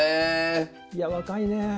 いや若いね！